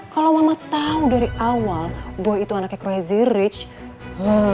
kalau mama tau dari awal boy itu anaknya crazy rich